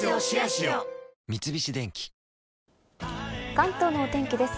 関東のお天気です。